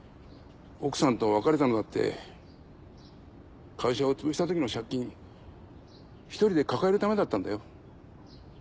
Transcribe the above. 奥さんと別れたのだって会社をつぶした時の借金１人で抱えるためだったんだよ。